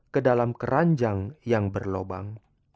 kedalam keranjang yang berlobang